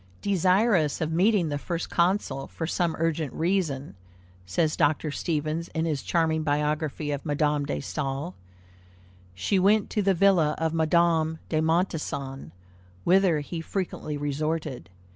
"Desirous of meeting the First Consul for some urgent reason," says Dr. Stevens in his charming biography of Madame de Staël, "she went to the villa of Madame de Montessan, whither he frequently resorted.